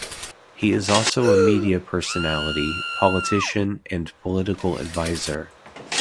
He is also a media personality, politician and political adviser.